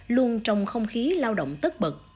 luôn trong không khí lao động tất bật